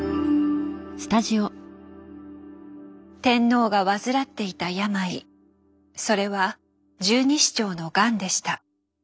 天皇が患っていた病それは「十二指腸のガン」でした。